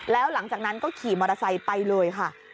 แล้วหลังจากนั้นก็ขี่มอเตอร์ไซค์ไปเลยค่ะ